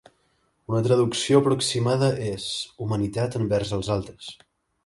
Una traducció aproximada és, «humanitat envers els altres».